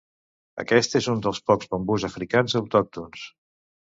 Aquest és un dels pocs bambús africans autòctons.